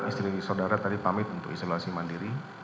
istri saudara tadi pamit untuk isolasi mandiri